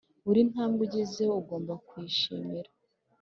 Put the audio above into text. buri ntambwe ugezeho ugomba kuyishimira